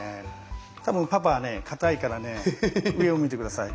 多分パパは硬いからね上を向いて下さい。